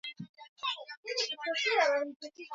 hatua kwa hatua ilibadilishwa Na leo Meskhetia